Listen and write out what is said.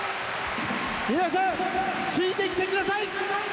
皆さん、ついてきてください。